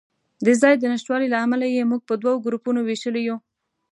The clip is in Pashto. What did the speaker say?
د ځای د نشتوالي له امله یې موږ په دوو ګروپونو وېشلي یو.